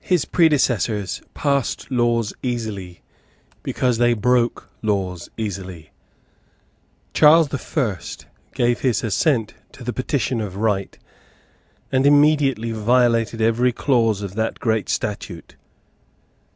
His predecessors passed laws easily because they broke laws easily. Charles the First gave his assent to the Petition of Right, and immediately violated every clause of that great statute.